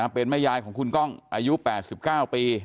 เป็นแม่ยายของคุณก้องอายุ๘๙ปี